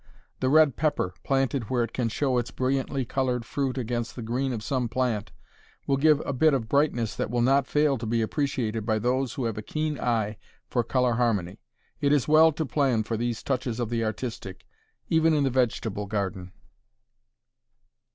The red pepper, planted where it can show its brilliantly colored fruit against the green of some plant, will give a bit of brightness that will not fail to be appreciated by those who have a keen eye for color harmony. It is well to plan for these touches of the artistic, even in the vegetable garden.